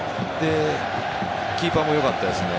キーパーも良かったですね。